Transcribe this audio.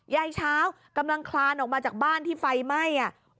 ยายเช้ากำลังคลานออกมาจากบ้านที่ไฟไหม้